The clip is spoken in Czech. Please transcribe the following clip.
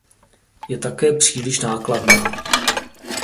Je také příliš nákladná.